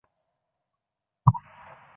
内容力求简明扼要、务实管用